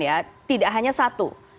ya tidak hanya satu